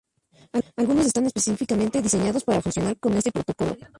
Algunos están específicamente diseñados para funcionar con este protocolo.